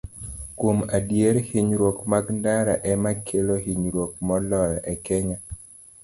Kuom adier, hinyruok mag ndara ema kelo hinyruok moloyo e Kenya.